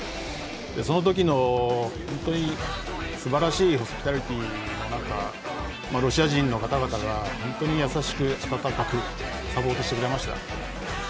その時のすばらしいホスピタリティーの中ロシア人の方々が本当に優しく温かくサポートしてくれました。